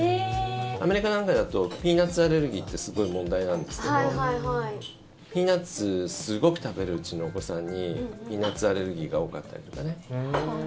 アメリカなんかだとピーナツアレルギーってすごい問題なんですけどピーナツをすごく食べるうちのお子さんにピーナツアレルギーが多かったりとかね。